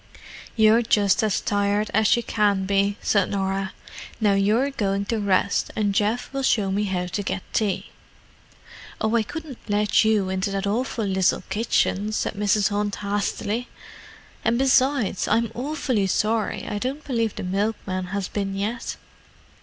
"You're just as tired as you can be," said Norah. "Now you're going to rest, and Geoff will show me how to get tea." "Oh, I couldn't let you into that awful little kitchen," said Mrs. Hunt hastily. "And besides—I'm awfully sorry—I don't believe the milkman has been yet."